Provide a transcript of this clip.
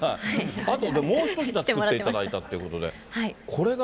あともう１品作っていただいたということで。